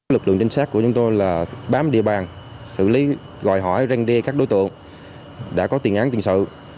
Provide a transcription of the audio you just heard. lực lượng trinh sát của chúng tôi là bám địa bàn xử lý gọi hỏi răng đe các đối tượng đã có tiền án tiền sự